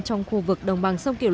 trong khu vực đồng bằng sông kiều long